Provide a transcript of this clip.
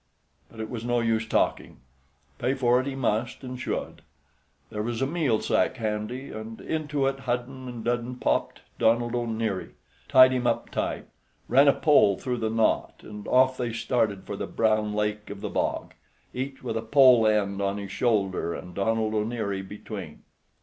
But it was no use talking. Pay for it he must and should. There was a meal sack handy, and into it Hudden and Dudden popped Donald O'Neary, tied him up tight, ran a pole through the knot, and off they started for the Brown Lake of the Bog, each with a pole end on his shoulder, and Donald O'Neary between.